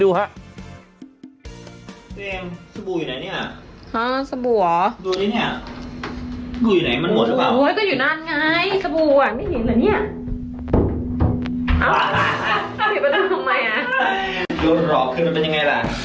ยกหลอกขึ้นมันเป็นยังไงล่ะ